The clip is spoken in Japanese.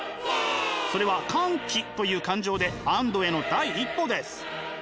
それは歓喜という感情で安堵への第一歩です。